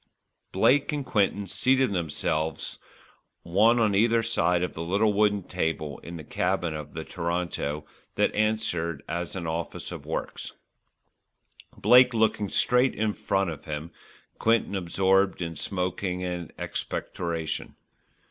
Blake and Quinton seated themselves one on either side of the little wooden table in the cabin of the Toronto that answered as an office of works, Blake looking straight in front of him, Quinton absorbed in smoking and expectoration.